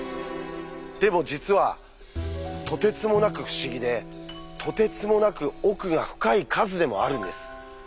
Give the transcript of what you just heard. でも実はとてつもなく不思議でとてつもなく奥が深い数でもあるんです。